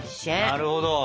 なるほど。